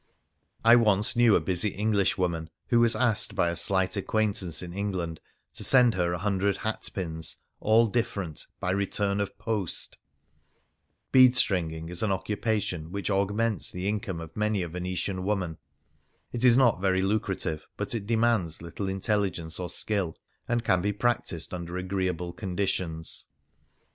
I once knew a busy Englishwoman who was asked by a slight acquaintance in England to send her a hundred hatpins, all different^ by return of post ! Bead stringing is an occupation which augments the income of many a Venetian woman. It is not very lucra tive, but it demands little intelligence or skill, and can be practised under agreeable condi 140 Varia tions.